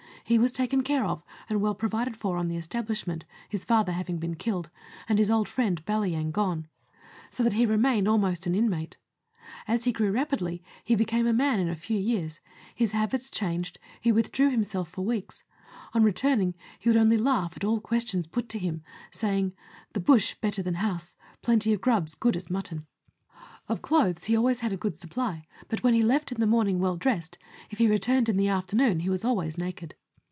He was taken care of, and well provided for on the establishment, his father having been killed, and his old friend Balyang gone, so that he remained almost an inmate. As he grew rapidly, he became a man in a few years ; his habits changed; he withdrew himself for weeks ; on returning he would only laugh at all questions put to him, saying " The bush better than house, plenty of grubs good as mutton." Of 122 Letters from Victorian Pioneers. clothes he had always a good supply, but when he left in the morning well dressed, if he returned in the afternoon he was always naked.